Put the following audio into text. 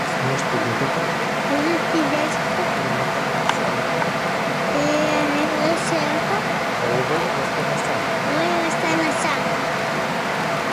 Сношти детето отиде некаде низ селото, а овој остана сам.